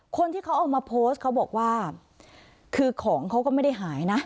คนที่เขาเอามาโพสต์เขาบอกว่าคือของเขาก็ไม่ได้หายนะ